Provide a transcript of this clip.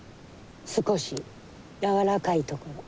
少しやわらかいとこ。